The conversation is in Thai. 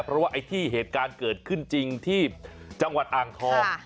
เพราะว่าไอ้ที่เหตุการณ์เกิดขึ้นจริงที่จังหวัดอ่างทอง